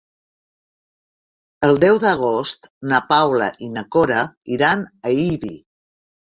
El deu d'agost na Paula i na Cora iran a Ibi.